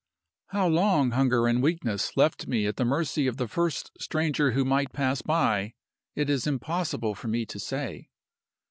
"How long hunger and weakness left me at the mercy of the first stranger who might pass by, it is impossible for me to say.